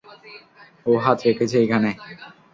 ও হাত রেখেছে এখানে।